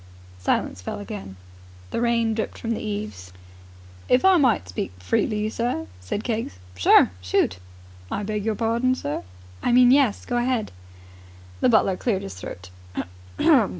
Silence fell again. The rain dripped from the eaves. "If I might speak freely, sir ...?" said Keggs. "Sure. Shoot!" "I beg your pardon, sir?" "I mean, yes. Go ahead!" The butler cleared his throat.